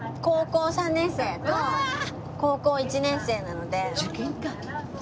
高校３年生と高校１年生なので。